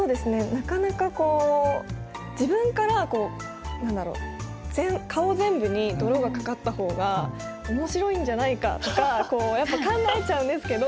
なかなかこう自分から顔全部に泥がかかった方が面白いんじゃないかとかこうやっぱ考えちゃうんですけど。